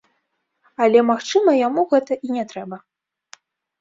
Але, магчыма, яму гэта і не трэба.